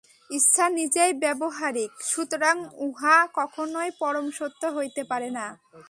ইচ্ছা নিজেই ব্যাবহারিক, সুতরাং উহা কখনই পরম সত্য হইতে পারে না।